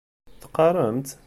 Teqqam-tt?